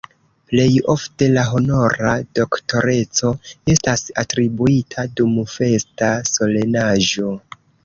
Plej ofte la honora doktoreco estas atribuita dum festa solenaĵo.